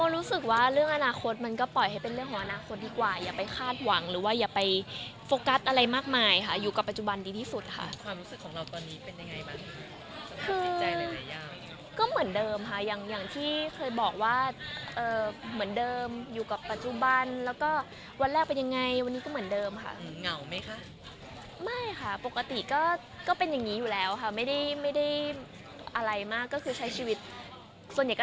มองรู้สึกว่าเรื่องอนาคตมันก็ปล่อยให้เป็นเรื่องของอนาคตดีกว่ายังไปคาดหวังหรือว่าอย่าไปโฟกัสอะไรมากมายค่ะอยู่กับปัจจุบันดีที่สุดค่ะความรู้สึกของเราตอนนี้เป็นยังไงบ้างคือก็เหมือนเดิมค่ะอย่างที่เคยบอกว่าเหมือนเดิมอยู่กับปัจจุบันแล้วก็วันแรกเป็นยังไงวันนี้ก็เหมือนเดิมค่ะเหงาไหมค่ะไม่ค่